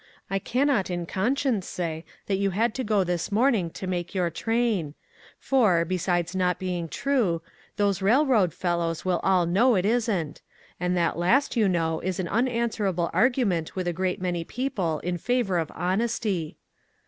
I can not in conscience say that you had to go this morning to make your train, for, besides not being true, those railroad fellows will all know that it isn't, and that last, you know, is an unanswerable argument with a great many people in favor of honesty."